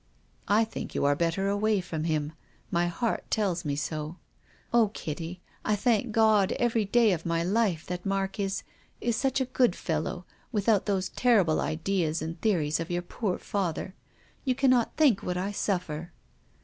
" I think you are better away from him. My heart tells me so. Oh, Kitty, I thank God every day of my life that Mark is — is such a good fellow, without those terrible ideas and theories of your poor father. You cannot think what I suffer."